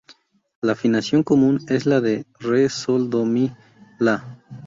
La afinación común es La Re Sol Do Mi La.